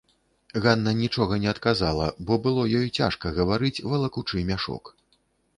Ганна нічога не адказала, бо было ёй цяжка гаварыць, валакучы мяшок.